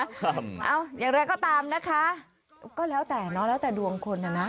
เอาอย่างไรก็ตามนะคะก็แล้วแต่เนาะแล้วแต่ดวงคนน่ะนะ